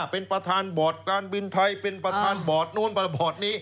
เป็นประธานบอร์ดการบินไทยเป็นประธานบอร์ดนู้นบอร์ดนี้